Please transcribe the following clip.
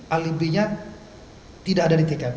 alibinya tidak ada di tkp